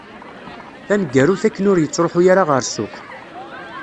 Taneggarut akken ur yettruḥu ara ɣer ssuq.